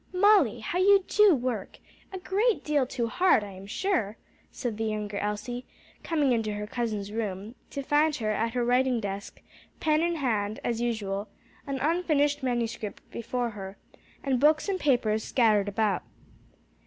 _ "Molly, how you do work! a great deal too hard, I am sure," said the younger Elsie, coming into her cousin's room, to find her at her writing desk, pen in hand, as usual, an unfinished manuscript before her, and books and papers scattered about.